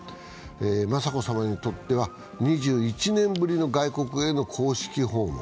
雅子さまにとっては２１年ぶりの外国への公式訪問。